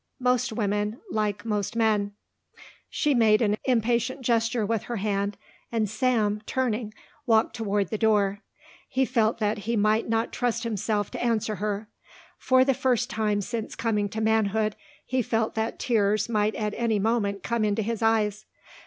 Most women like most men " She made an impatient gesture with her hand and Sam, turning, walked toward the door. He felt that he might not trust himself to answer her. For the first time since coming to manhood he felt that tears might at any moment come into his eyes.